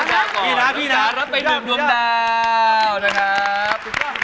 นางจันทร์รับไปหนุนโดมดาวนะครับ